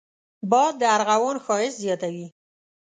باد د ارغوان ښايست زیاتوي